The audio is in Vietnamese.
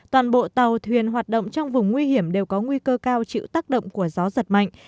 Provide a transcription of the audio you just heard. toàn bộ tàu thuyền hoạt động trong vùng nguy hiểm đều có nguy cơ cao chịu tác động của gió giật mạnh